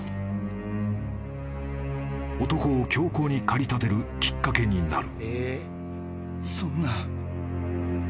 ［男を凶行に駆り立てるきっかけになる］